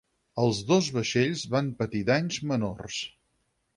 Els dos vaixells van patir danys menors.